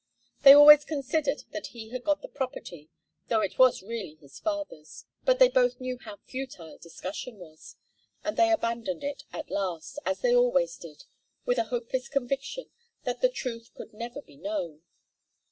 They always considered that he had got the property, though it was really his father's. But they both knew how futile discussion was, and they abandoned it at last, as they always did, with a hopeless conviction that the truth could never be known.